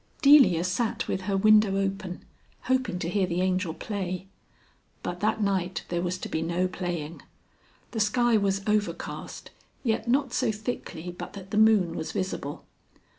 XLVI. Delia sat with her window open, hoping to hear the Angel play. But that night there was to be no playing. The sky was overcast, yet not so thickly but that the moon was visible.